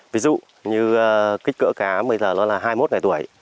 ví dụ như kích cỡ cá bây giờ nó là hai mươi một ngày tuổi